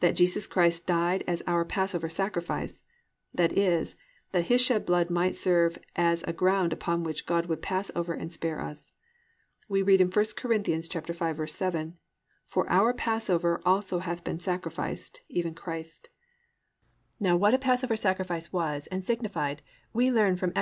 that _Jesus Christ died as our Passover sacrifice—that is, that His shed blood might serve as a ground upon which God would pass over and spare us_. We read in 1 Cor. 5:7, +"For our passover also hath been sacrificed, even Christ."+ Now what a passover sacrifice was and signified we learn from Ex.